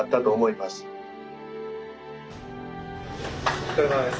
お疲れさまです。